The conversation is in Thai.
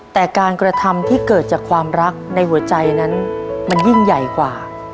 แต่การกระทำที่เกิดจากความรักในหัวใจนั้นมันยิ่งใหญ่กว่า